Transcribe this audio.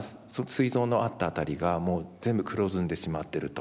すい臓のあった辺りがもう全部黒ずんでしまってると。